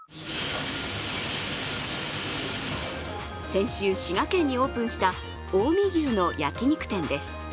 先週、滋賀県にオープンした近江牛の焼き肉店です。